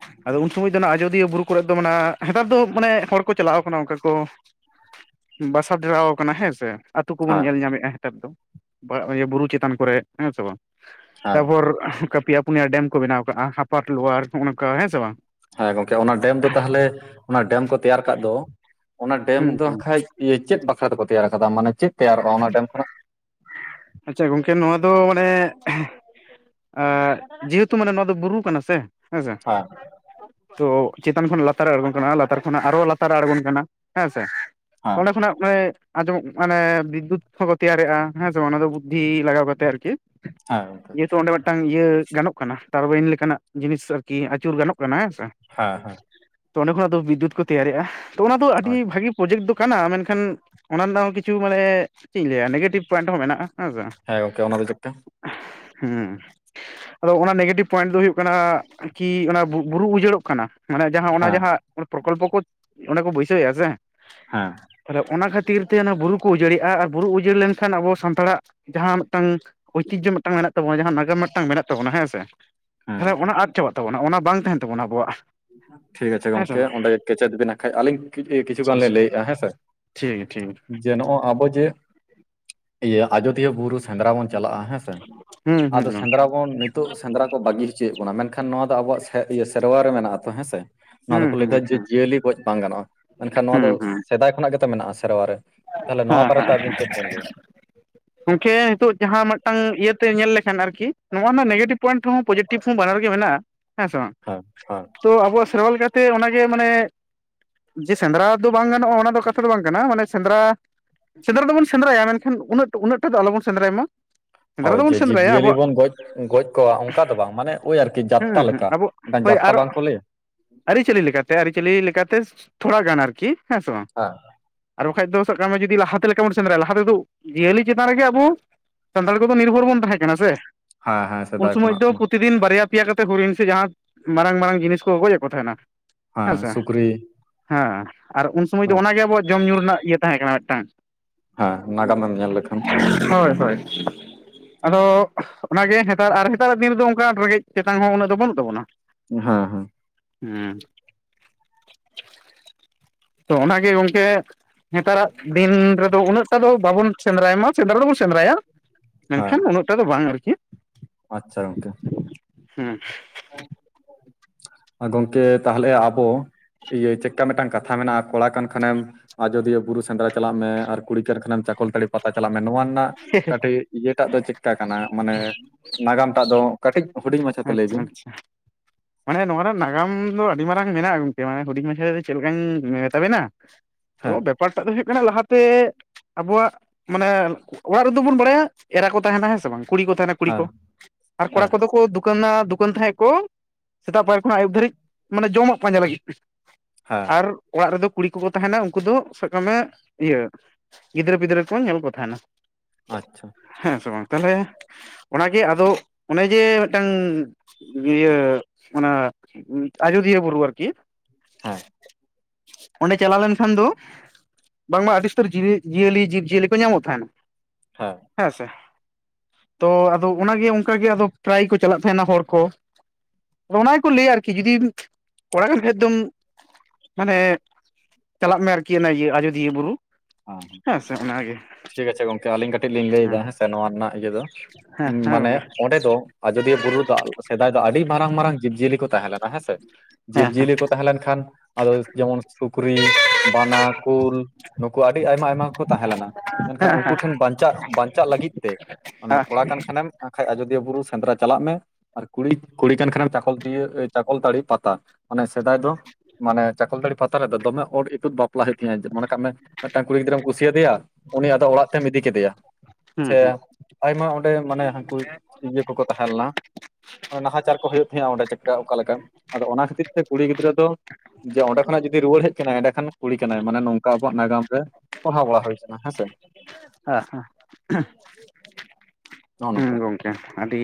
[SPEAKER 2] [unintelligible] [unintelligible] ᱫᱚ ᱟᱡᱳᱚᱫᱤᱭᱟᱹ ᱵᱩᱨᱩ ᱠᱚᱨᱮᱜ ᱫᱚ ᱢᱮᱱᱟᱜ ᱱᱮᱛᱟᱨ ᱫᱚ ᱢᱟᱱᱮ ᱦᱚᱲ ᱠᱚ ᱪᱟᱞᱟᱣ ᱠᱟᱱᱟ ᱚᱱᱠᱟ ᱠᱚ ᱵᱟᱥᱟ ᱰᱮᱨᱟᱣᱟᱠᱟᱱᱟ ᱦᱮᱸ ᱥᱮ ᱟᱹᱛᱩᱠᱳ ᱠᱩᱵᱩᱱ
[SPEAKER 1] ᱦᱮᱸ
[SPEAKER 2] ᱧᱮᱞ ᱧᱟᱢᱮᱫᱼᱟ ᱱᱮᱛᱟᱨ ᱫᱚ ᱤᱭᱟᱹ ᱵᱩᱨᱩ ᱪᱮᱛᱟᱱ ᱠᱚᱨᱮ ᱦᱮᱸ ᱥᱮ ᱵᱟᱝ
[SPEAKER 1] ᱦᱮᱸ ᱜᱚᱝᱠᱮ
[SPEAKER 2] ᱟᱱᱚᱨ ᱚᱱᱠᱟ ᱯᱮᱭᱟ ᱯᱩᱱᱭᱟ ᱰᱮᱢ ᱠᱚ ᱵᱮᱱᱟᱣ ᱠᱟᱜᱼᱟ ᱟᱯᱟᱨ ᱞᱚᱣᱟᱨ ᱦᱚᱱᱚᱝᱠᱟ ᱦᱮᱸ ᱥᱮ ᱵᱟᱝ
[SPEAKER 1] ᱦᱮᱸ ᱜᱚᱝᱠᱮ ᱚᱱᱟ ᱰᱮᱢ ᱫᱚ ᱛᱟᱦᱚᱞᱮ ᱚᱱᱟ ᱰᱮᱢ ᱠᱚ ᱛᱮᱭᱟᱨ ᱠᱟᱜ ᱫᱚ ᱚᱱᱟ ᱰᱮᱢ
[SPEAKER 2] ᱦᱮᱸ
[SPEAKER 1] ᱫᱚ
[SPEAKER 2] ᱦᱮᱸ
[SPEAKER 1] ᱠᱷᱟᱹᱡ ᱤᱭᱟᱹ ᱪᱮᱫ ᱵᱟᱠᱷᱨᱟ ᱛᱮᱠᱚ ᱛᱮᱭᱟᱨ ᱠᱟᱫᱟ? ᱢᱟᱱᱮ ᱛᱮᱭᱟᱨᱚᱜᱼᱟ ᱚᱱᱟ ᱰᱮᱢ ᱠᱷᱚᱱᱟᱜ
[SPEAKER 2] ᱟᱪᱷᱟ ᱜᱚᱝᱠᱮ ᱱᱚᱣᱟ ᱫᱚ ᱢᱟᱱᱮ ᱟ ᱡᱮᱦᱮᱛᱩ ᱢᱟᱱᱮ ᱱᱚᱣᱟ ᱫᱚ ᱵᱩᱨᱩ ᱠᱟᱱᱟ ᱥᱮ ᱦᱮᱸ ᱥᱮ ᱛᱚ ᱪᱮᱛᱟᱱ ᱠᱷᱚᱱ ᱞᱟᱛᱟᱨ ᱨᱮ ᱟᱬᱜᱚᱱ ᱠᱟᱱᱟ ᱞᱟᱛᱟᱨ ᱠᱷᱚᱱᱟᱜ ᱟᱨᱦᱚᱸ ᱞᱟᱛᱟᱨ ᱨᱮ ᱟᱬᱜᱚᱱ ᱠᱟᱱᱟ ᱦᱮᱸ ᱥᱮ
[SPEAKER 1] ᱦᱮᱸ
[SPEAKER 2] ᱚᱱᱟ ᱠᱷᱚᱱᱟᱜ ᱢᱟᱱᱮ ᱟᱸᱡᱚᱢ ᱢᱟᱱᱮ [unintelligible] ᱠᱚ ᱛᱮᱭᱟᱨᱮᱜ? ᱼᱟ ᱦᱮᱸ ᱥᱮ ᱵᱟᱝ ᱚᱱᱟ ᱫᱚ ᱵᱩᱫᱽᱫᱷᱤ ᱞᱟᱜᱟᱣ ᱠᱟᱛᱮᱜ
[SPEAKER 1] ᱦᱮᱸ ᱜᱚᱝᱠᱮ
[SPEAKER 2] ᱤᱭᱟᱹ ᱛᱚ ᱚᱱᱰᱮ ᱢᱤᱫᱴᱟᱝ ᱤᱭᱟᱹ ᱜᱟᱱᱚᱜ ᱠᱟᱱᱟ ᱴᱟᱨᱵᱟᱭᱤᱱ ᱞᱮᱠᱟᱱᱟᱜ ᱡᱤᱱᱤᱥ ᱟᱨᱠᱤ ᱟᱹᱪᱩᱨ ᱜᱟᱱᱚᱜ ᱠᱟᱱᱟ ᱦᱮᱸ ᱥᱮ ᱵᱟᱝ
[SPEAKER 1] ᱦᱮᱸ ᱦᱮᱸ
[SPEAKER 2] ᱛᱚ ᱚᱸᱰᱮ ᱠᱷᱚᱭᱜ ᱫᱚ ᱵᱤᱫᱽᱭᱩᱛ ᱠᱚ ᱛᱮᱭᱟᱨᱮᱜᱼᱟ ᱛᱚ ᱚᱱᱟ ᱫᱚ ᱟᱹᱰᱤ
[SPEAKER 1] ᱟᱪ-
[SPEAKER 2] ᱵᱷᱟᱹᱜᱤ ᱯᱨᱚᱡᱮᱠᱴ ᱫᱚ ᱠᱟᱱᱟ ᱢᱮᱱᱠᱷᱟᱱ ᱚᱱᱟ ᱨᱮᱱᱟᱜ ᱠᱤᱪᱷᱩ ᱢᱟᱱᱮ ᱪᱮᱫ ᱤᱧ ᱞᱟᱹᱭᱟ ᱱᱮᱜᱮᱴᱤᱵᱽ ᱯᱚᱭᱮᱱᱴ ᱦᱚᱸ ᱢᱮᱱᱟᱜᱼᱟ ᱦᱮᱸᱥᱮ
[SPEAKER 1] ᱦᱮᱸ ᱜᱚᱝᱠᱮ ᱚᱱᱟ ᱚᱵᱷᱤᱡᱚᱠ ᱛᱮ
[SPEAKER 2] ᱦᱩᱸ ᱟᱫᱚ ᱚᱱᱟ ᱱᱮᱜᱮᱴᱤᱵᱷ ᱯᱚᱭᱮᱱᱴ ᱫᱚ ᱦᱩᱭᱩᱜ ᱠᱟᱱᱟ ᱠᱤ ᱚᱱᱟ ᱵᱩᱨᱩ ᱩᱡᱟᱹᱲᱚᱜ ᱠᱟᱱᱟ᱾ ᱢᱟᱱᱮ ᱡᱟᱦᱟᱸ ᱚᱱᱟ
[SPEAKER 1] ᱦᱮᱸ
[SPEAKER 2] ᱡᱟᱦᱟᱸ ᱯᱨᱚᱠᱚᱞᱯᱚ ᱠᱚ ᱚᱸᱰᱮ ᱠᱚ ᱵᱟᱹᱭᱥᱟᱹᱣᱮᱜᱼᱟ ᱥᱮ
[SPEAKER 1] ᱦᱮᱸ
[SPEAKER 2] ᱟᱫᱚ ᱚᱱᱟ ᱠᱷᱟᱹᱛᱤᱨ ᱛᱮ ᱚᱱᱟ ᱵᱩᱨᱩ ᱠᱚ ᱩᱡᱟᱹᱲᱮᱜᱼᱟ ᱟᱨ ᱵᱩᱨᱩ ᱩᱡᱟᱹᱲ ᱞᱮᱱᱠᱷᱟᱱ ᱟᱵᱚ ᱥᱟᱱᱛᱟᱲᱟᱜ ᱡᱟᱦᱟᱸ ᱢᱤᱫᱴᱟᱝ ᱳᱭᱪᱤᱡᱮ ᱢᱤᱫᱴᱟᱝ ᱢᱮᱱᱟᱜ ᱛᱟᱵᱚᱱᱟ ᱡᱟᱦᱟᱸ ᱱᱟᱜᱟᱢ ᱢᱤᱫᱴᱟᱝ ᱢᱮᱱᱟᱜ ᱛᱟᱵᱚᱱᱟ ᱦᱮᱸᱥᱮ
[SPEAKER 1] ᱦᱮᱸ
[SPEAKER 2] ᱛᱟᱦᱚᱞᱮ
[SPEAKER 1] ᱜᱚᱝᱠᱮ
[SPEAKER 2] ᱚᱱᱟ ᱟᱫ ᱪᱟᱵᱟᱜᱼ ᱛᱟᱵᱚᱱᱟ [unintelligible] ᱚᱱᱟ ᱵᱟᱝ ᱛᱟᱦᱮᱱ ᱛᱟᱵᱚᱱᱟ ᱟᱵᱚᱣᱟᱜ᱾
[SPEAKER 1] ᱴᱷᱤᱠ ᱟᱪᱷᱮ
[SPEAKER 2] ᱦᱮᱸ ᱥᱮ
[SPEAKER 1] ᱜᱚᱝᱠᱮ
[SPEAKER 2] ᱵᱟᱝ
[SPEAKER 1] ᱚᱸᱰᱮ ᱠᱮᱪᱮᱫ ᱵᱮᱱᱟᱜ ᱠᱷᱟᱡ ᱟᱹᱞᱤᱧ [unintelligible] ᱠᱤᱪᱷᱩ ᱜᱟᱱ ᱞᱮ ᱞᱟᱹᱭᱮᱜᱼᱟ ᱦᱮᱸ ᱥᱮ᱾
[SPEAKER 2] ᱴᱷᱤᱠ ᱜᱮ ᱴᱷᱤᱠ [unintelligible]
[SPEAKER 1] ᱡᱮ ᱱᱚᱜᱼᱚᱭ ᱟᱵᱚ ᱡᱮ ᱤᱭᱟᱹ ᱟᱡᱚᱫᱤᱭᱟᱹ ᱵᱩᱨᱩ ᱥᱮᱸᱫᱽᱨᱟ ᱵᱚᱱ ᱪᱟᱞᱟᱜᱼᱟ ᱦᱮᱸ ᱥᱮ᱾
[SPEAKER 2] ᱦᱩᱸ
[SPEAKER 1] [unintelligible]
[SPEAKER 2] ᱦᱩᱸ
[SPEAKER 1] ᱟᱫᱚ
[SPEAKER 2] ᱦᱩᱸ
[SPEAKER 1] ᱥᱮᱸᱫᱽᱨᱟ [unintelligible] ᱱᱤᱛᱚᱜ ᱥᱮᱸᱫᱽᱨᱟ ᱠᱚ ᱵᱟᱹᱜᱤ ᱦᱚᱪᱚᱭᱮᱫ ᱵᱚᱱᱟ ᱢᱮᱱᱠᱷᱟᱱ ᱱᱚᱣᱟ ᱫᱚ ᱟᱵᱚᱣᱟᱜ [unintelligible] ᱥᱮᱨᱣᱟ ᱨᱮ ᱢᱮᱱᱟᱜᱼᱟ ᱛᱚ ᱦᱮᱸ ᱥᱮ᱾ ᱱᱚᱣᱟ
[SPEAKER 2] ᱦᱩᱸ
[SPEAKER 1] ᱫᱚᱠᱚ ᱞᱟᱹᱭ ᱮᱫᱟ ᱡᱮ
[SPEAKER 2] ᱦᱩᱸ
[SPEAKER 1] ᱡᱤᱭᱟᱹᱞᱤ ᱜᱚᱡ ᱵᱟᱝ ᱜᱟᱱᱚᱜᱼᱟ ᱢᱮᱱᱠᱷᱟᱱ ᱱᱚᱣᱟ
[SPEAKER 2] ᱦᱩᱸ
[SPEAKER 1] ᱫᱚ
[SPEAKER 2] ᱦᱩᱸ
[SPEAKER 1] ᱥᱮᱫᱟᱭ ᱠᱷᱚᱱᱟᱜ ᱜᱮᱛᱚ ᱢᱮᱱᱟᱜᱼᱟ ᱥᱮᱨᱣᱟ ᱨᱮ᱾ ᱛᱟᱦᱚᱞᱮ ᱱᱚᱣᱟ
[SPEAKER 2] ᱦᱮᱸ
[SPEAKER 1] ᱵᱟᱨᱮᱛᱮ
[SPEAKER 2] ᱦᱮᱸ
[SPEAKER 1] ᱟᱹᱵᱤᱱ ᱪᱮᱫ ᱵᱮᱱ ᱞᱟᱹᱭᱼᱟ᱾
[SPEAKER 2] ᱜᱚᱝᱠᱮ ᱱᱤᱛᱳᱜ ᱡᱟᱦᱟᱸ ᱢᱤᱫᱴᱟᱝ ᱤᱭᱟᱹᱛᱮ ᱧᱮᱞ ᱞᱮᱠᱷᱟᱱ ᱟᱨᱠᱤ ᱱᱚᱣᱟ ᱨᱮᱱᱟᱜ ᱱᱮᱜᱮᱴᱤᱵᱷ ᱯᱚᱭᱮᱱᱴ ᱦᱚᱸ ᱯᱚᱡᱮᱴᱤᱵᱷ ᱦᱚᱸ ᱵᱟᱱᱟᱨ ᱜᱮ ᱢᱮᱱᱟᱜ-ᱟ ᱦᱮᱸ ᱥᱮ ᱵᱟᱝ?
[SPEAKER 1] ᱦᱳᱭ, ᱦᱳᱭ᱾
[SPEAKER 2] ᱛᱚ, ᱟᱵᱚᱣᱟᱜ ᱥᱮᱨᱣᱟ ᱞᱮᱠᱟᱛᱮ ᱚᱱᱟᱜᱮ ᱢᱟᱱᱮ᱾ ᱡᱮ ᱥᱮᱸᱫᱽᱨᱟ ᱫᱚ ᱵᱟᱝ ᱜᱟᱱᱚᱜ-ᱟ ᱚᱱᱟ ᱫᱚ ᱠᱟᱛᱷᱟ ᱫᱚ ᱵᱟᱝ ᱠᱟᱱᱟ, ᱢᱟᱱᱮ ᱥᱮᱸᱫᱽᱨᱟ᱾ ᱥᱮᱸᱫᱽᱨᱟ ᱫᱚᱵᱚᱱ ᱥᱮᱸᱫᱽᱨᱟᱭᱟ ᱢᱮᱱᱠᱷᱟᱱ ᱩᱱᱟᱹᱜ ᱩᱱᱟᱹᱜ ᱴᱟ ᱫᱚ ᱟᱞᱚᱵᱚᱱ ᱥᱮᱸᱫᱽᱨᱟᱭ ᱢᱟ᱾ ᱥᱮᱸᱫᱽᱨᱟ
[SPEAKER 1] ᱦᱳᱭ
[SPEAKER 2] ᱫᱚᱵᱚᱱ
[SPEAKER 1] ᱡᱮ ᱡᱤᱵᱽ
[SPEAKER 2] ᱥᱮᱸᱫᱽᱨᱟᱭᱟ
[SPEAKER 1] ᱡᱤᱭᱟᱹᱞᱤ
[SPEAKER 2] ᱟᱵᱚᱣᱟᱜ
[SPEAKER 1] ᱵᱚᱱ ᱜᱚᱡ, ᱜᱚᱡ ᱠᱚᱣᱟ ᱚᱱᱠᱟ ᱫᱚ ᱵᱟᱝ ᱢᱟᱱᱮ ᱳᱭ ᱟᱨᱠᱤ᱾ ᱠᱤ, ᱡᱟᱛᱛᱟ
[SPEAKER 2] ᱦᱩᱸ ᱦᱩᱸ
[SPEAKER 1] ᱞᱮᱠᱟ,
[SPEAKER 2] ᱟᱵᱚ
[SPEAKER 1] ᱢᱤᱫᱴᱟᱝ
[SPEAKER 2] ᱦᱳᱭ
[SPEAKER 1] ᱡᱟᱛᱛᱟ
[SPEAKER 2] ᱟᱨᱚ
[SPEAKER 1] ᱵᱟᱝᱠᱚ ᱞᱟᱹᱭᱟ᱾
[SPEAKER 2] ᱟᱹᱨᱤᱪᱟᱹᱞᱤ ᱞᱮᱠᱟᱛᱮ, ᱟᱹᱨᱤᱪᱟᱹᱞᱤ ᱞᱮᱠᱟᱛᱮ ᱛᱷᱚᱲᱟ ᱜᱟᱱ ᱟᱨᱠᱤ ᱦᱮᱸ ᱥᱮ ᱵᱟᱝ᱾
[SPEAKER 1] ᱦᱮᱸ᱾
[SPEAKER 2] ᱟᱨ ᱵᱟᱠᱷᱟᱡ ᱫᱚ ᱥᱟᱵ ᱠᱟᱜ ᱢᱮ ᱡᱩᱫᱤ ᱞᱟᱦᱟ ᱛᱮ ᱞᱮᱠᱟ ᱵᱚᱱ ᱥᱮᱸᱫᱽᱟᱭᱟ ᱞᱟᱦᱟ ᱛᱮᱫᱚ ᱡᱤᱭᱟᱹᱞᱤ ᱪᱮᱛᱟᱱ ᱨᱮᱜᱮ ᱟᱵᱚ᱾ ᱥᱟᱱᱛᱟᱲ ᱠᱚᱫᱚ ᱱᱤᱨᱵᱷᱚᱨ ᱵᱚᱱ ᱛᱟᱦᱮᱸ ᱠᱟᱱᱟ ᱥᱮ
[SPEAKER 1] ᱦᱮᱸ ᱦᱮᱸ
[SPEAKER 2] ᱩᱱ
[SPEAKER 1] ᱥᱮᱫᱟᱭ
[SPEAKER 2] ᱥᱚᱢᱚᱭ
[SPEAKER 1] ᱠᱷᱚᱱᱟᱜ
[SPEAKER 2] ᱫᱚ
[SPEAKER 1] ᱢᱟ
[SPEAKER 2] ᱯᱨᱚᱛᱤ ᱫᱤᱱ ᱵᱟᱨᱭᱟ᱾ ᱯᱮᱭᱟ ᱠᱟᱛᱮ ᱦᱚᱨᱤᱱ ᱥᱮ ᱡᱟᱦᱟᱸ ᱢᱟᱨᱟᱝ ᱢᱟᱨᱟᱝ ᱡᱤᱱᱤᱥ ᱠᱚ ᱜᱚᱡ ᱮᱫ ᱠᱚ ᱛᱟᱸᱦᱮᱱᱟ
[SPEAKER 1] ᱦᱮᱸ
[SPEAKER 2] ᱦᱮᱸᱥᱮ᱾
[SPEAKER 1] ᱥᱩᱠᱨᱤ
[SPEAKER 2] ᱦᱮᱸ ᱟᱨ ᱩᱱ ᱥᱚᱢᱚᱭ ᱫᱚ
[SPEAKER 1] ᱦᱮᱸ
[SPEAKER 2] ᱚᱱᱟᱜᱮ ᱟᱵᱚᱣᱟᱜ ᱡᱚᱢ ᱧᱩ ᱨᱮᱱᱟᱜ ᱤᱭᱟᱹ ᱛᱟᱦᱮᱸ ᱠᱟᱱᱟ ᱢᱮᱫᱴᱟᱝ᱾
[SPEAKER 1] ᱦᱮᱸ ᱱᱟᱜᱟᱢᱮᱢ ᱧᱮᱞ ᱞᱮᱠᱷᱟᱱ᱾
[SPEAKER 2] ᱦᱳᱭ ᱦᱳᱭ ᱟᱫᱚ ᱚᱱᱟᱜᱮ ᱱᱮᱛᱟᱨ ᱟᱨ ᱱᱮᱛᱟᱨᱟᱜ ᱫᱤᱱ ᱨᱮᱫᱚ ᱚᱝᱠᱟ ᱨᱮᱸᱜᱮᱡ᱾ ᱛᱮᱛᱟᱝ ᱦᱚᱸ ᱩᱱᱟᱹᱜ ᱫᱚ ᱵᱟᱹᱱᱩᱜ ᱛᱟᱵᱚᱱᱟ᱾
[SPEAKER 1] ᱦᱩᱸ ᱦᱩᱸ᱾
[SPEAKER 2] ᱦᱩᱸ, ᱛᱚ ᱚᱱᱟᱜᱮ ᱜᱚᱝᱠᱮ᱾ ᱱᱮᱛᱟᱨᱟᱜ ᱫᱤᱱ ᱨᱮᱫᱚ ᱩᱱᱟᱹᱜ ᱴᱟ ᱫᱚ ᱵᱟᱵᱚᱱ ᱥᱮᱸᱫᱽᱨᱟᱭ ᱢᱟ ᱥᱮᱸᱫᱽᱨᱟ ᱫᱚ ᱵᱚᱱ ᱥᱮᱸᱫᱽᱨᱟᱭᱟ᱾
[SPEAKER 1] ᱦᱮᱸ
[SPEAKER 2] ᱢᱮᱱᱠᱷᱟᱱ ᱩᱱᱟᱹᱜ ᱴᱟ ᱫᱚ ᱵᱟᱝ ᱟᱨᱠᱤ᱾
[SPEAKER 1] ᱟᱪᱪᱷᱟ ᱜᱚᱝᱠᱮ᱾
[SPEAKER 2] ᱦᱩᱸ᱾
[SPEAKER 1] ᱜᱚᱝᱠᱮ ᱛᱟᱦᱞᱮ ᱟᱵᱚ ᱤᱭᱟᱹ ᱪᱮᱫᱠᱟ ᱢᱤᱫᱴᱟᱝ ᱠᱟᱛᱷᱟ ᱢᱮᱱᱟᱜᱼᱟ ᱠᱚᱲᱟ ᱠᱟᱱ ᱠᱷᱟᱱᱮᱢ ᱟᱡᱚᱫᱤᱭᱟᱹ ᱵᱩᱨᱩ ᱥᱮᱸᱫᱽᱨᱟ ᱪᱟᱞᱟᱜ ᱢᱮ ᱟᱨ ᱠᱩᱲᱤ ᱠᱟᱱ ᱠᱷᱟᱱᱢ ᱪᱟᱠᱚᱞᱛᱟᱹᱲᱤ ᱯᱟᱛᱟ ᱪᱟᱞᱟᱜ ᱢᱮ᱾ ᱱᱚᱣᱟ ᱨᱮᱱᱟᱜ ᱠᱟᱹᱴᱤᱡ ᱤᱭᱟᱹᱴᱟᱜ ᱫᱚ ᱪᱮᱫᱠᱟ ᱠᱟᱱᱟ ᱢᱟᱱᱮ? ᱱᱟᱜᱟᱢ ᱴᱟᱜ ᱫᱚ ᱠᱟᱹᱴᱤᱡ ᱦᱩᱰᱤᱧ ᱢᱟᱪᱷᱟᱛᱮ ᱞᱟᱹᱭ
[SPEAKER 2] ᱟᱪᱪᱷᱟ
[SPEAKER 1] ᱵᱤᱱ᱾
[SPEAKER 2] ᱟᱪᱪᱷᱟ ᱢᱟᱱᱮ ᱱᱚᱣᱟ ᱨᱮᱱᱟᱜ ᱱᱟᱜᱟᱢ ᱫᱚ ᱟᱹᱰᱤ ᱢᱟᱨᱟᱝ ᱢᱮᱱᱟᱜᱼᱟ ᱜᱚᱝ ᱠᱮ ᱢᱟᱱᱮ ᱦᱩᱰᱤᱧ ᱢᱟᱪᱷᱟ ᱛᱮᱫᱚ ᱪᱮᱫ ᱞᱮᱠᱟᱧ ᱢᱮᱛᱟᱵᱮᱱᱟ ᱛᱚ
[SPEAKER 1] ᱦᱮᱸ
[SPEAKER 2] ᱵᱮᱯ ᱵᱮᱯᱟᱨᱴᱟᱜ ᱫᱚ ᱦᱩᱭᱩᱜ ᱠᱟᱱᱟ ᱞᱟᱦᱟᱛᱮ ᱟᱵᱚᱣᱟᱜ ᱢᱟᱱᱮ ᱚᱲᱟᱜ ᱨᱮᱫᱚ ᱵᱚᱱ ᱵᱟᱲᱟᱭᱟ ᱮᱨᱟ ᱠᱚ ᱛᱟᱦᱮᱱᱟ ᱦᱮᱸ ᱥᱮ ᱵᱟᱝ ᱠᱩᱲᱤ ᱠᱚ ᱛᱟᱦᱮᱱᱟ ᱠᱩᱲᱤ
[SPEAKER 1] ᱦᱮᱸ
[SPEAKER 2] ᱠᱚ ᱟᱨ ᱠᱚᱲᱟ
[SPEAKER 1] ᱦᱮᱸ
[SPEAKER 2] ᱠᱚᱫᱚ ᱠᱚ ᱫᱩᱠ ᱫᱚᱠᱟᱱᱟ ᱫᱚᱩᱠᱟᱹᱱ ᱛᱟᱦᱮᱸᱜ ᱠᱚ ᱥᱮᱛᱟᱜ ᱯᱟᱭᱟᱨ ᱠᱷᱚᱱᱟᱜ ᱟᱹᱭᱩᱵ ᱫᱷᱟᱹᱨᱤᱡ ᱢᱟᱱᱮ ᱡᱚᱢᱟᱜ ᱯᱟᱸᱡᱟ ᱞᱟᱹᱜᱤᱫ ᱛᱮ᱾
[SPEAKER 1] ᱦᱮᱸ
[SPEAKER 2] ᱟᱨ ᱚᱲᱟᱜ ᱨᱮᱫᱚ ᱠᱩᱲᱤ ᱠᱚᱠᱚ ᱛᱟᱸᱦᱮᱱᱟ ᱩᱱᱠᱩ ᱫᱚ ᱥᱟᱵ ᱠᱟᱜ ᱢᱮ ᱤᱭᱟᱹ᱾ ᱜᱤᱫᱽᱨᱟᱹ ᱯᱤᱫᱽᱨᱟᱹ ᱠᱚ ᱧᱮᱞ ᱠᱚ ᱛᱟᱸᱦᱮᱱᱟ᱾
[SPEAKER 1] ᱟᱪᱪᱷᱟ᱾
[SPEAKER 2] ᱦᱮᱸ ᱥᱮ ᱵᱟᱝ ᱛᱟᱦᱞᱮ ᱚᱱᱟᱜᱮ ᱟᱫᱚ ᱚᱱᱮ ᱡᱮ ᱢᱤᱫᱴᱟᱝ ᱤᱭᱟᱹ ᱚᱱᱟ ᱟᱡᱚᱫᱤᱭᱟᱹ ᱵᱩᱨᱩ ᱟᱨᱠᱤ
[SPEAKER 1] ᱦᱚᱸ
[SPEAKER 2] ᱚᱸᱰᱮ ᱪᱟᱞᱟᱣ ᱞᱮᱱᱠᱷᱟᱱ ᱫᱚ ᱵᱟᱝᱢᱟ ᱟᱹᱰᱤ ᱩᱥᱛᱟᱹᱨ ᱡᱤᱣᱤ ᱡᱤᱭᱟᱹᱞᱤ ᱡᱤᱵᱽ ᱡᱤᱭᱟᱹᱞᱤ ᱠᱚ ᱧᱟᱢᱚᱜ ᱛᱟᱸᱦᱮᱱᱟ᱾
[SPEAKER 1] ᱦᱮᱸ
[SPEAKER 2] ᱦᱮᱸᱥᱮ ᱛᱚ, ᱟᱫᱚ ᱚᱱᱟᱜᱮ ᱚᱝᱠᱟᱜᱮ ᱟᱫᱚ ᱯᱨᱟᱭ ᱠᱚ ᱪᱟᱞᱟᱜ ᱛᱟᱸᱦᱮᱱᱟ ᱦᱚᱲ ᱠᱚ᱾ ᱟᱫᱚ ᱚᱱᱟ ᱜᱮᱠᱚ ᱞᱮᱹᱭᱟ ᱟᱨᱠᱤ ᱡᱤᱫᱤᱵᱢ ᱠᱚᱲᱟ ᱠᱟᱱ ᱠᱷᱟᱡ ᱫᱚᱢ ᱢᱟᱱᱮ ᱪᱟᱞᱟᱜ ᱢᱮ ᱟᱨᱠᱤ ᱚᱱᱟ ᱤᱭᱟᱹ ᱟᱡᱚᱫᱤᱭᱟᱹ ᱵᱩᱨᱩ ᱦᱮᱸ ᱥᱮ ᱚᱱᱟᱜᱮ᱾
[SPEAKER 1] ᱴᱷᱤᱠ ᱟᱪᱷᱮ ᱜᱚᱝᱠᱮ ᱟᱹᱞᱤᱧ ᱠᱟᱹᱴᱤᱡ ᱞᱤᱧ
[SPEAKER 2] ᱦᱮᱸ
[SPEAKER 1] ᱞᱟᱹᱭᱫᱟ ᱦᱮᱸᱥᱮ ᱱᱚᱣᱟ ᱨᱮᱱᱟᱜ ᱤᱭᱟᱹ ᱫᱚ,
[SPEAKER 2] ᱦᱮᱸ ᱦᱮᱸ
[SPEAKER 1] ᱢᱟᱱᱮ
[SPEAKER 2] ᱜᱚᱝᱠᱮ
[SPEAKER 1] ᱚᱸᱰᱮ ᱫᱚ ᱟᱡᱚᱫᱤᱭᱟᱹ ᱵᱩᱨᱩ ᱨᱮᱫᱚ ᱥᱮᱫᱟᱭ ᱫᱚ ᱟᱹᱰᱤ ᱢᱟᱨᱟᱝ ᱢᱟᱨᱟᱝ ᱡᱤᱵᱽ ᱡᱤᱭᱟᱹᱞᱤ ᱠᱚ ᱛᱟᱦᱮᱸᱞᱮᱱᱟ ᱦᱮᱸ ᱥᱮ᱾
[SPEAKER 2] ᱦᱮᱸ
[SPEAKER 1] ᱡᱤᱵᱽᱼᱡᱤᱭᱟᱹᱞᱤ ᱠᱚ ᱛᱟᱦᱮᱸ ᱞᱮᱱᱠᱷᱟᱱ ᱟᱫᱚᱥ ᱡᱮᱢᱚᱱ ᱥᱩᱠᱨᱤ, ᱵᱟᱱᱟ, ᱠᱩᱞ ᱱᱩᱠᱩ ᱟᱹᱰᱤ ᱟᱭᱢᱟ ᱟᱭᱢᱟ ᱜᱮᱠᱚ ᱛᱟᱦᱮᱸ ᱞᱮᱱᱟ ᱢᱮᱱᱠᱷᱟᱱ ᱩᱱᱠᱩ ᱴᱷᱮᱱ ᱵᱟᱧᱪᱟᱜ, ᱵᱟᱧᱪᱟᱜ ᱞᱟᱹᱜᱤᱫ ᱛᱮ ᱚᱱᱮ
[SPEAKER 2] ᱦᱮᱸ
[SPEAKER 1] ᱠᱚᱲᱟ ᱠᱟᱱ ᱠᱷᱟᱱᱮᱢ ᱟᱠᱷᱟᱡ ᱟᱡᱚᱫᱤᱭᱟᱹ ᱵᱩᱨᱩ ᱥᱮᱸᱫᱽᱨᱟ ᱪᱟᱞᱟᱜ ᱢᱮ ᱟᱨ ᱠᱩᱲᱤ ᱠᱩᱲᱤ ᱠᱟᱱ ᱠᱷᱟᱱᱮᱢᱼᱼ ᱪᱟᱠᱚᱞ ᱫᱤᱭᱟᱹ ᱪᱟᱠᱚᱞᱛᱟᱹᱲᱤ ᱯᱟᱛᱟ ᱢᱟᱱᱮ ᱥᱮᱫᱟᱭ ᱫᱚ ᱢᱟᱱᱮ ᱪᱟᱠᱚᱞᱛᱟᱹᱲᱤ ᱯᱟᱛᱟ ᱨᱮᱫᱚ ᱫᱚᱢᱮ ᱚᱨ ᱤᱛᱩᱫ ᱵᱟᱯᱞᱟ ᱦᱩᱭᱩᱜ ᱛᱟᱸᱦᱮᱭᱟ ᱢᱚᱱᱮ ᱠᱟᱜ ᱢᱮᱼᱼ ᱢᱤᱫᱴᱟᱝ ᱠᱩᱲᱤ ᱜᱤᱫᱽᱨᱟᱹᱢ ᱠᱩᱥᱤᱭᱟᱫᱮᱭᱟ ᱩᱱᱤ ᱟᱫᱚ ᱚᱲᱟᱜ ᱛᱮᱢ ᱤᱫᱤ ᱠᱮᱫᱮᱭᱟ
[SPEAKER 2] ᱦᱩᱸ
[SPEAKER 1] ᱪᱮᱼᱼ
[SPEAKER 2] ᱦᱩᱸ
[SPEAKER 1] ᱟᱭᱢᱟ ᱚᱸᱰᱮ ᱢᱟᱱᱮ ᱦᱟᱹᱠᱩ ᱤᱭᱟᱹ ᱠᱚᱠᱚ ᱛᱟᱦᱮᱸ ᱞᱮᱱᱟ᱾ ᱮ ᱱᱟᱦᱟᱪᱟᱨ ᱠᱚ ᱦᱩᱭᱩᱜ ᱛᱮᱦᱮᱸᱜᱼᱟ ᱚᱸᱰᱮ ᱪᱮᱫᱠᱟ ᱚᱠᱟ ᱞᱮᱠᱟ ᱟᱫᱚ ᱚᱱᱟ ᱠᱷᱟᱹᱛᱤᱨ ᱛᱮ ᱠᱩᱲᱤ ᱜᱤᱫᱽᱨᱟᱹ ᱫᱚ ᱡᱮ ᱚᱸᱰᱮ ᱠᱷᱚᱱᱟᱜ ᱡᱩᱫᱤ ᱨᱩᱣᱟᱹᱲ ᱦᱮᱡ ᱟᱠᱟᱱᱟᱭ ᱮᱸᱰᱮᱠᱷᱟᱱ ᱠᱩᱲᱤ ᱠᱟᱱᱟᱭ ᱢᱟᱱᱮ ᱱᱚᱝᱠᱟᱵᱼᱼ ᱟᱵᱚᱣᱟᱜ ᱱᱟᱜᱟᱢ ᱨᱮ ᱯᱟᱲᱦᱟᱣ ᱵᱟᱲᱟ ᱦᱩᱭ ᱠᱟᱱᱟ ᱦᱮᱸ ᱥᱮ᱾
[SPEAKER 2] ᱦᱮ
[SPEAKER 1] ᱱᱚᱜᱼᱚ
[SPEAKER 2] ᱦᱮᱸ
[SPEAKER 1] ᱱᱚᱝᱠᱟ
[SPEAKER 2] ᱦᱩᱸ ᱜᱚᱢᱠᱮ ᱟᱰᱤ